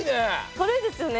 軽いですよね